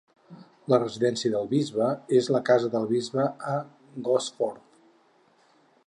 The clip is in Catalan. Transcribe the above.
La residència del bisbe és la casa del bisbe, a Gosforth.